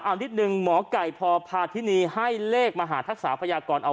เอานิดนึงหมอไก่พอพาทินีให้เลขมหาทักษะพยากรเอา